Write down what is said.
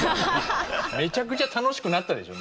めちゃくちゃ楽しくなったでしょ。